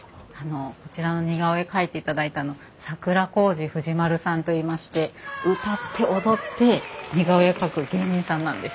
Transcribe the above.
こちらの似顔絵描いていただいたの桜小路富士丸さんといいまして歌って踊って似顔絵を描く芸人さんなんです。